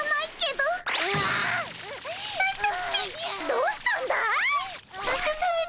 どうしたんだい？